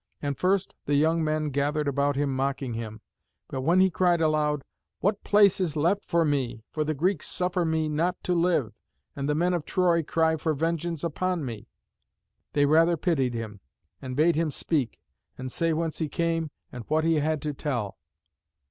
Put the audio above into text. And first the young men gathered about him mocking him, but when he cried aloud, "What place is left for me, for the Greeks suffer me not to live, and the men of Troy cry for vengeance upon me?" they rather pitied him, and bade him speak, and say whence he came and what he had to tell.